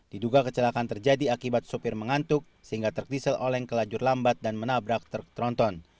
diduga kecelakaan terjadi akibat sopir mengantuk sehingga truk diesel oleng ke lajur lambat dan menabrak truk tronton